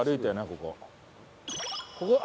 ここ。